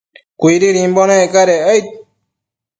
Cuididimbo nec cadec aid